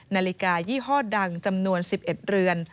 นาฬิกายี่ห้อดังจำนวน๑๑เรือน